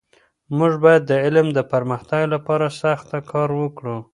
موږ باید د علم د پرمختګ لپاره سخته کار وکړو.